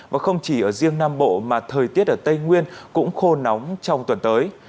và không chỉ ở riêng nam bộ mà thời tiết ở tây nguyên cũng khô nóng trong tuần tới